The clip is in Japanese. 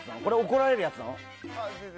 怒られるやつなの？